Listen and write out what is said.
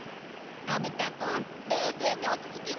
のび太くん冷静に落ち着きなさい。